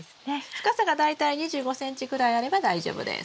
深さが大体２５ｃｍぐらいあれば大丈夫です。